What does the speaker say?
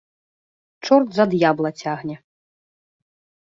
Чорт за д'ябла цягне.